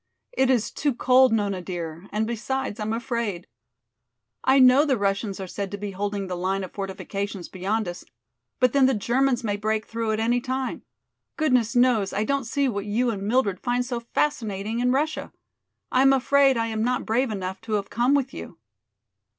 "It is too cold, Nona dear, and besides, I'm afraid. I know the Russians are said to be holding the line of fortifications beyond us, but then the Germans may break through at any time. Goodness knows, I don't see what you and Mildred find so fascinating in Russia! I am afraid I am not brave enough to have come with you."